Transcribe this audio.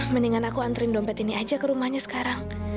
mendingan aku antren dompet ini aja ke rumahnya sekarang